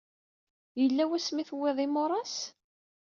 Yella wasmi ay tuwyeḍ imuras?